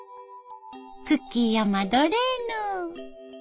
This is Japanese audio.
クッキーやマドレーヌ。